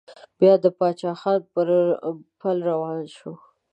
بيا د پاچا خان پر پل روان شو.